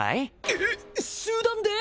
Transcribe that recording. えっ集団で！？